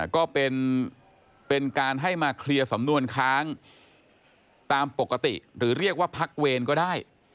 ก็เป็นการให้มาเคลียร์สำนวนค้างตามปกติหรือเรียกว่าพักเวรก็ได้